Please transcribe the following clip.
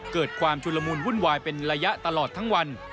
เกิดความชุลมูลวุ่นวายเป็นระยะตลอดทั้งวัน